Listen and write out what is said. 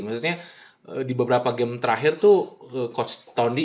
maksudnya di beberapa game terakhir tuh coach tonedy